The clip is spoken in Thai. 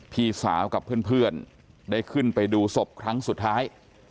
พี่สาวกับเพื่อนได้ขึ้นไปดูศพครั้งสุดท้าย